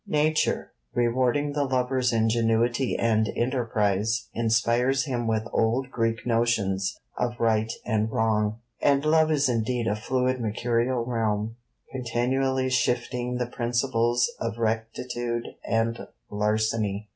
Nature, rewarding the lover's ingenuity and enterprise, inspires him with old Greek notions of right and wrong: and love is indeed a fluid mercurial realm, continually shifting the principles of rectitude and larceny.